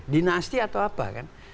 dinasti atau apa kan